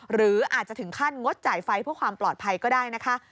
หรืออาจจะถึงขั้นงดจ่ายไฟเพื่อความปลอดภัยก็ได้นะคะ